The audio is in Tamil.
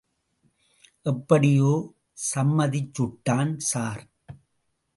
எப்படியோ சம்மதிச்சுட்டான் ஸார்.